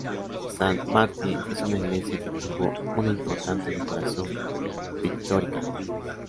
Sant Martí es una iglesia que tuvo una importante decoración pictórica.